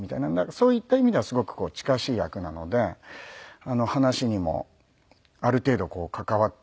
そういった意味ではすごく近しい役なので話にもある程度関わってはくるんですけれども。